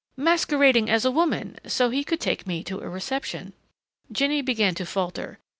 "Masquerading as a woman so he could take me to a reception." Jinny began to falter.